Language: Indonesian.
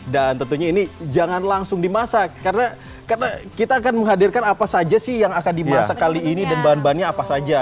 dan tentunya ini jangan langsung dimasak karena kita akan menghadirkan apa saja sih yang akan dimasak kali ini dan bahan bahannya apa saja